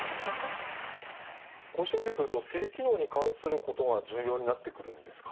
こうして見てくると性機能に関することが重要になってくるんですか？